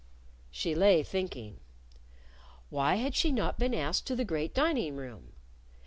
She lay thinking. Why had she not been asked to the great dining room?